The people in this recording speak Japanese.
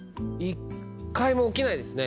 １回も起きないですね。